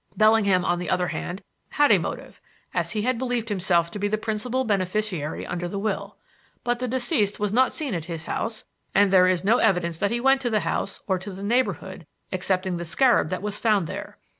Bellingham, on the other hand, had a motive, as he had believed himself to be the principal beneficiary under the will. But the deceased was not seen at his house, and there is no evidence that he went to the house or to the neighborhood, excepting the scarab that was found there.